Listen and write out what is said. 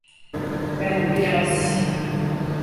Ben biraz…